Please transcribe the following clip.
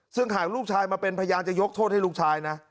ซึ่งหากลูกชายมาเป็นพยานจะยกโทษให้ลูกชายนะ